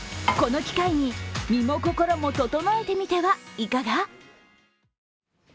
この機会に身も心もととのえてみてはいかが？